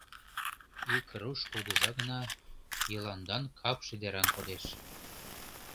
Ик руш кугыжа гына Йыландан капше деран кодеш.